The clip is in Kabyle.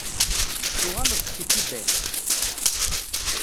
Tuɣaleḍ-d seg Tibet?